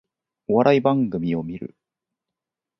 お笑い番組を観る